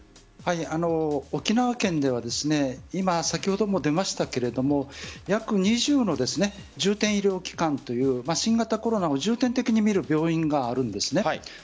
沖縄県では先ほども出ましたが約２０の重点医療機関という新型コロナを重点的に診る病院があるんです。